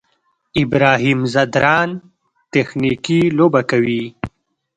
ابراهیم ځدراڼ تخنیکي لوبه کوي.